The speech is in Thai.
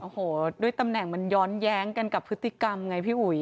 โอ้โหด้วยตำแหน่งมันย้อนแย้งกันกับพฤติกรรมไงพี่อุ๋ย